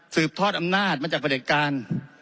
ทอดอำนาจมาจากประเด็จการ